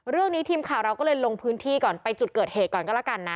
ทีมข่าวเราก็เลยลงพื้นที่ก่อนไปจุดเกิดเหตุก่อนก็แล้วกันนะ